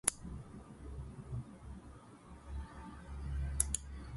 Another highlight of my neighborhood is its cultural scene.